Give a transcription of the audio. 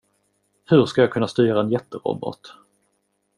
Hur ska jag kunna styra en jätterobot?